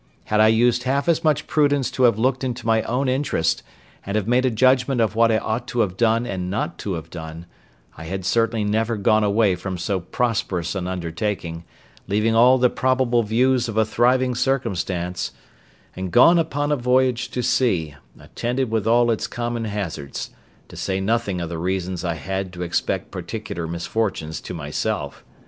Had I used half as much prudence to have looked into my own interest, and have made a judgment of what I ought to have done and not to have done, I had certainly never gone away from so prosperous an undertaking, leaving all the probable views of a thriving circumstance, and gone upon a voyage to sea, attended with all its common hazards, to say nothing of the reasons I had to expect particular misfortunes to myself.